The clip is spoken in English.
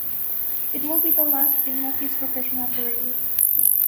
It would be the last team of his professional career.